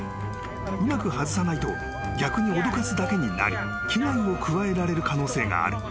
［うまく外さないと逆に脅かすだけになり危害を加えらえる可能性がある］